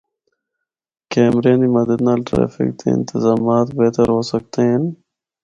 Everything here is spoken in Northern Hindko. کیمریاں دی مدد نال ٹریفک دے انتظامات بہتر ہو سکدے ہن۔